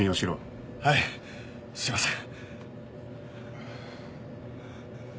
はいすいません。